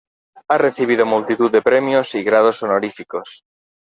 Ha recibido multitud de premios y grados honoríficos.